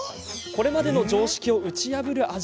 これまでの常識を打ち破る